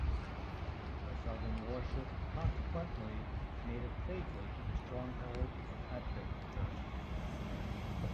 The Southern warship, consequently, made it safely to the stronghold at Vicksburg.